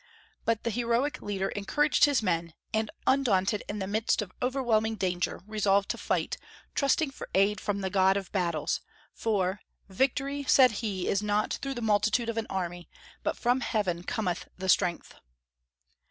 But the heroic leader encouraged his men, and, undaunted in the midst of overwhelming danger, resolved to fight, trusting for aid from the God of battles; for "victory," said he, "is not through the multitude of an army, but from heaven cometh the strength."